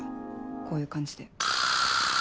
こういう感じで。